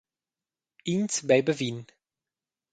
Ins beiba vin.